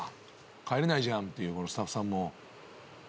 帰れないじゃんっていうスタッフさんも。